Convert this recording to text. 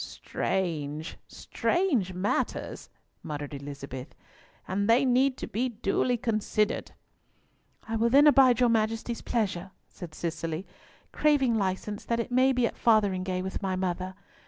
"Strange—strange matters," muttered Elizabeth, "and they need to be duly considered." "I will then abide your Majesty's pleasure," said Cicely, "craving license that it may be at Fotheringhay with my mother.